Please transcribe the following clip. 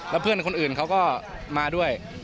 แล้วเพื่อนคนอื่นเขาก็มาด้วย